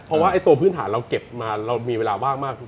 เพราะว่าตัวพื้นฐานเราเก็บมาเรามีเวลาว่างมาก